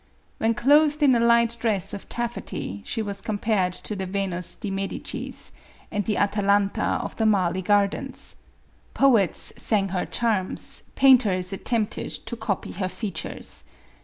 When clothed in a light dress of taffety, she was com pared to the Yenus di Medicis, and the Atalanta of the Marly gardens. Poets sang her charms, painters at tempted to copy her features.